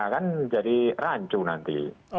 kan jadi rancu nanti